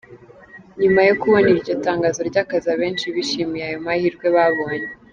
Nyuma yo kubona iryo tangazo ry’akazi, abenshi bishimiye ayo mahirwe babonye.